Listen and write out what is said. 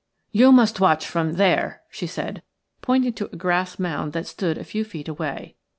"You must watch from there," she said, pointing to a grass mound that stood a few feet away.